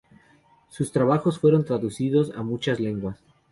Sus trabajos fueron traducidos a muchas lenguas.